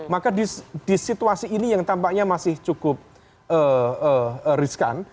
maka di situasi ini yang tampaknya masih cukup riskan